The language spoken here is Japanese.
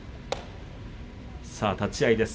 さあ立ち合いです。